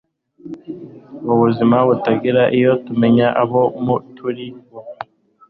Ubuzima butangira iyo tumenye abo turi bo